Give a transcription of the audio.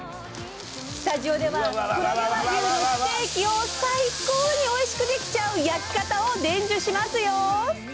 スタジオでは黒毛和牛のステーキを最高においしく出来ちゃう焼き方を伝授しますよ！